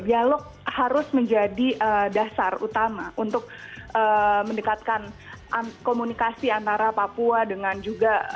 dialog harus menjadi dasar utama untuk mendekatkan komunikasi antara papua dengan juga